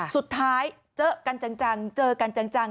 สุดท้ายเจอกันจังจังเจอกันจังจัง